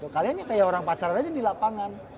kalian ya kayak orang pacaran aja di lapangan